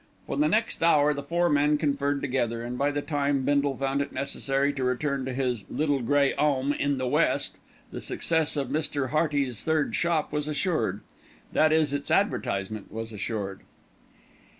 For the next hour the four men conferred together, and by the time Bindle found it necessary to return to his "little grey 'ome in the west," the success of Mr. Hearty's third shop was assured, that is its advertisement was assured.